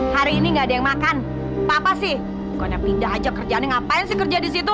hari ini enggak ada makan apa sih kondisi aja kerjaan ngapain sih kerja disitu